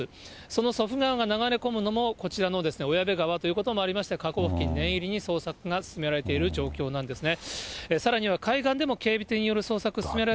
その祖父川が流れ込むのも、こちらの小矢部川ということもありまして、河口付近、念入りに捜索が続けられている状況なんですね。